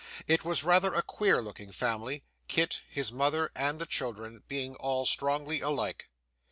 It was rather a queer looking family: Kit, his mother, and the children, being all strongly alike.